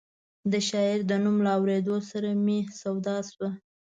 د شاعر د نوم له اورېدو سره مې سودا شوه.